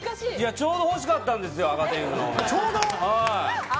ちょうど欲しかったんです。